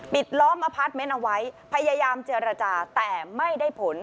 ล้อมอพาร์ทเมนต์เอาไว้พยายามเจรจาแต่ไม่ได้ผล